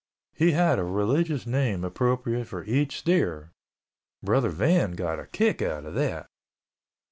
He had a religious name appropriate for each steer. Brother Van got a kick out of that.